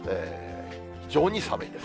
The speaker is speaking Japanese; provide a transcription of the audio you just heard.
非常に寒いです。